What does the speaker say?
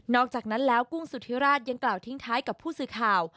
อกจากนั้นแล้วกุ้งสุธิราชยังกล่าวทิ้งท้ายกับผู้สื่อข่าว